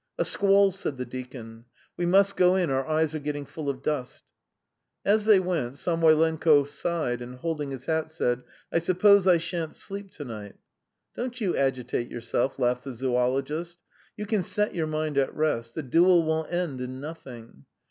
"A squall," said the deacon. "We must go in, our eyes are getting full of dust." As they went, Samoylenko sighed and, holding his hat, said: "I suppose I shan't sleep to night." "Don't you agitate yourself," laughed the zoologist. "You can set your mind at rest; the duel will end in nothing.